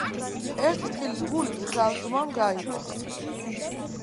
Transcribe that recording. ერთი თხილის გული ცხრა ძმამ გაივო